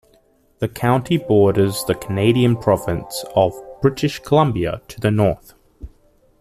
The county borders the Canadian province of British Columbia to the north.